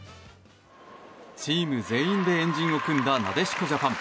チーム全員で円陣を組んだなでしこジャパン。